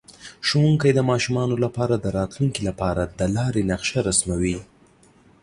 ښوونکی د ماشومانو لپاره د راتلونکي لپاره د لارې نقشه رسموي.